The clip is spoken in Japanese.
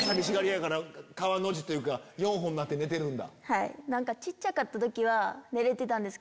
川の字というか４本になって寝てるんだ。